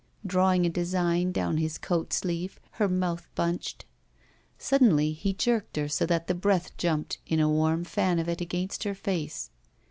drawing a design down his coat sleeve, her mouth bunched. Suddenly he jerked her so that the breath jumped in a warm fan of it against her face.